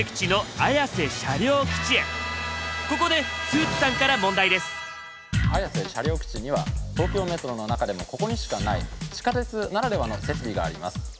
綾瀬車両基地には東京メトロの中でもここにしかない地下鉄ならではの設備があります。